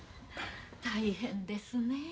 大変ですねえ。